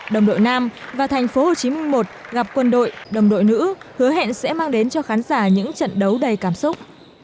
đồng đội nam và tp hcm một gặp quân đội đồng đội nữ hứa hẹn sẽ mang đến cho khán giả những trận đấu đầy cảm xúc